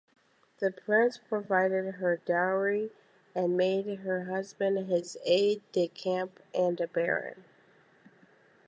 The prince provided her dowry and made her husband his aide-de-camp and a baron.